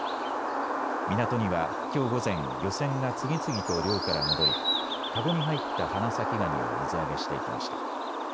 港にはきょう午前、漁船が次々と漁から戻りかごに入った花咲ガニを水揚げしていきました。